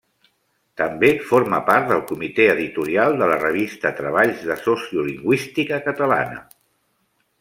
També forma part del Comitè Editorial de la revista Treballs de Sociolingüística Catalana.